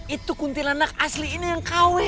itu kunti lenak asli ini yang kw